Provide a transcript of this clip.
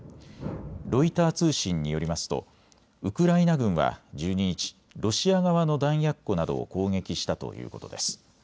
ロイター通信によりますとウクライナ軍は１２日、ロシア側の弾薬庫などを攻撃したということです。